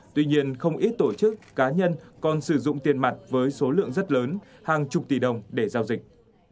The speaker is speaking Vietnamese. tuy nhiên không ít tổ chức cá nhân còn sử dụng tiền mặt với số lượng rất lớn hàng chục tỷ đồng để giao dịch